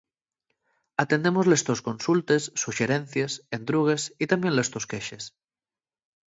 Atendemos les tos consultes, suxerencies, entrugues y tamién les tos quexes.